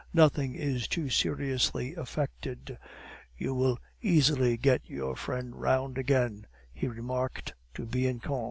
Nothing is too seriously affected. You will easily get your friend round again," he remarked to Bianchon.